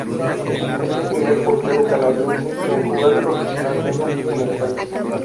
Es el primer portero canadiense en jugar profesionalmente en el país.